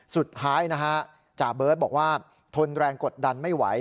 สุดท้ายนะฮะจ่าเบิร์ตบอกว่าทนแรงกดดันไม่ไหว